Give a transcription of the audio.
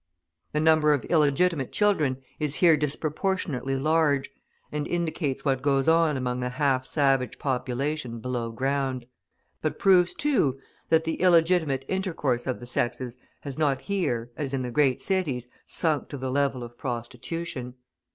The number of illegitimate children is here disproportionately large, and indicates what goes on among the half savage population below ground; but proves too, that the illegitimate intercourse of the sexes has not here, as in the great cities, sunk to the level of prostitution.